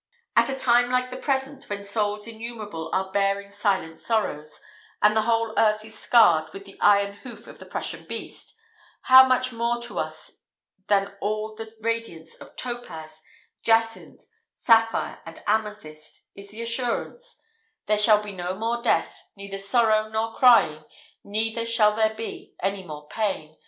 At a time like the present, when souls innumerable are bearing silent sorrows, and the whole earth is scarred with the iron hoof of the Prussian beast, how much more to us than all the radiance of topaz, jacinth, sapphire and amethyst is the assurance—"There shall be no more death, neither sorrow, nor crying, neither shall there be any more pain